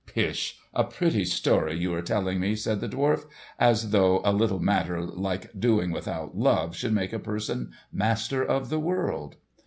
'" "Pish! a pretty story you are telling me!" said the dwarf. "As though a little matter like doing without love should make a person master of the world!"